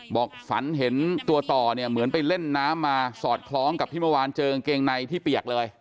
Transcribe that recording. บอกฝันเห็นตัวต่อเนี่ยเหมือนไปเล่นน้ำมาสอดคล้องกับที่เมื่อวานเจอกางเกงในที่เปียกเลย